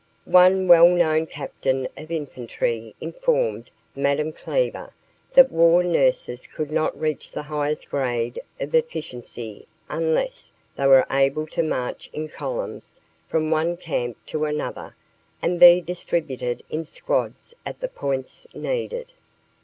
One well known captain of infantry informed Madame Cleaver that war nurses could not reach the highest grade of efficiency unless they were able to march in columns from one camp to another and be distributed in squads at the points needed.